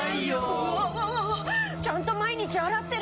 うわわわわちゃんと毎日洗ってるのに。